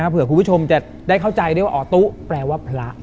เพื่อผู้ผู้ชมจะได้เข้าใจด้วยว่าตู้แปลว่าพระ